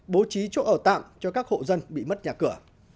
bố trí chỗ ở tạm cho các hộ dân bị mất nhà cửa